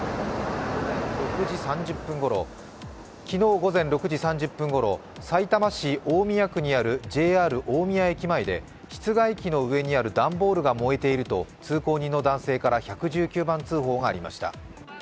昨日午前６時３０分ごろ、さいたま市大宮区にあるＪＲ大宮駅前で、室外機の上にある段ボールが燃えていると通行人の男性から１１９番通報がありました。